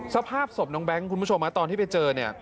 สภาพศพน้องแบงค์คุณผู้ชมตอนที่ไปเจอเนี่ย